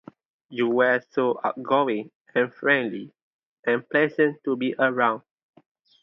You were so outgoing and friendly and pleasant to be around.